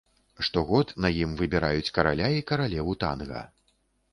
Штогод на ім выбіраюць караля і каралеву танга.